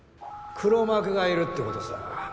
黒幕がいるってことさ。